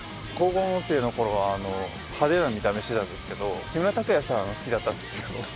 高校生のころは派手な見た目してたんですけど木村拓哉さん好きだったんですよ。